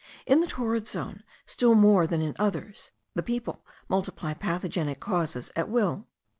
In the torrid zone, still more than in others, the people multiply pathogenic causes at will.